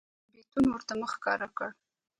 چې ناګاه بيتون ورته مخ ښکاره کړ.